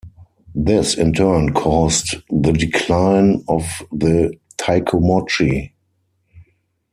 This in turn caused the decline of the "taikomochi".